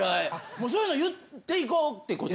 もうそういうの言っていこうってこと？